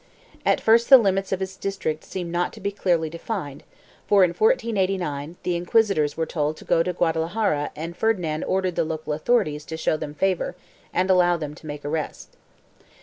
At first the limits of its district seem not to be clearly defined for, in 1489 the inquisitors were told to go to Guadalajara and Ferdi nand ordered the local authorities to show them favor and allow them to make arrests.